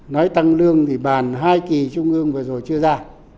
nói tăng lương thì bàn hai kỳ trung ương vừa rồi chưa ra